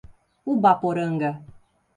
Ubaporanga